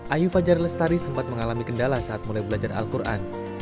ayu fajar lestari sempat mengalami kendala saat mulai belajar al quran